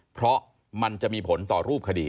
เพราะมันจะมีผลต่อรูปคดี